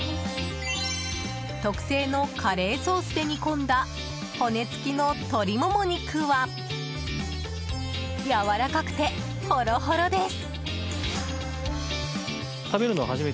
特製のカレーソースで煮込んだ骨付きの鶏モモ肉はやわらかくて、ほろほろです。